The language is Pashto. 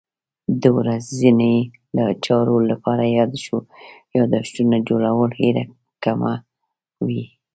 د ورځني چارو لپاره یادښتونه جوړول هېره کمه وي.